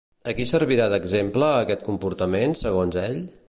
A qui servirà d'exemple aquest comportament, segons ell?